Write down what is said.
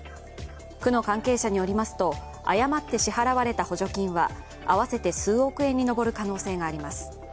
区の関係者によりますと、誤って支払われた補助金は合わせて数億円に上る可能性があります。